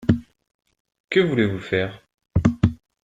Que voulez-vous faire ?